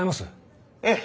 ええ。